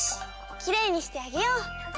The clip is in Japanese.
きれいにしてあげよう！